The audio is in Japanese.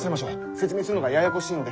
説明するのがややこしいので。